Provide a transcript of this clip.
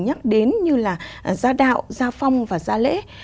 nhắc đến như là gia đạo gia phong và gia lễ